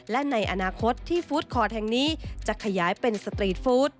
และในอนาคตที่ฟู้ดคอร์ดแห่งนี้จะขยายเป็นสตรีทฟู้ด